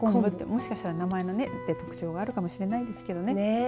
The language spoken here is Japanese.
もしかしたら名前の特徴があるかもしれないですけどね。